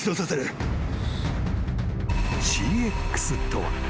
［ＣＸとは］